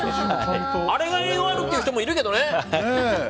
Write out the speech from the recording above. あれが栄養あるっていう人もいるけどね！